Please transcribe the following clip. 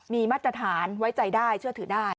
มีมาตรฐานไว้ใจได้เชื่อถือได้